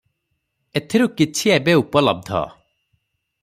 ଏଥିରୁ କିଛି ଏବେ ଉପଲବ୍ଧ ।